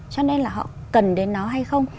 cho nên là họ cần đến nó hay không